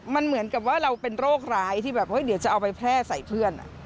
มันเหมือนกับว่าเราเป็นโรคร้ายที่แบบเดี๋ยวจะเอาไปแพร่ใส่เพื่อน